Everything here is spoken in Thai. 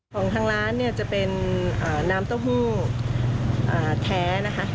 ของทางร้านเนี่ยจะเป็นน้ำเต้าหู้แท้นะคะ